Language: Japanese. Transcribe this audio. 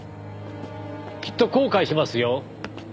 きっと後悔しますよ